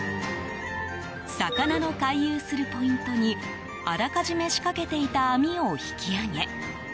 魚の回遊するポイントにあらかじめ仕掛けていた網を引き揚げ